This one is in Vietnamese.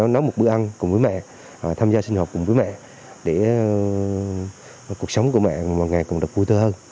nấu một bữa ăn cùng với mẹ tham gia sinh học cùng với mẹ để cuộc sống của mẹ ngày cùng được vui tư hơn